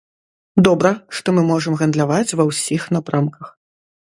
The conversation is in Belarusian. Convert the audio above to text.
Добра, што мы можам гандляваць ва ўсіх напрамках.